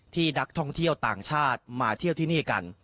ที่นักท่องเที่ยวต่างชาติมาเที่ยวที่นี่กัน